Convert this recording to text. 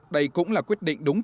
đây cũng là quyết định đúng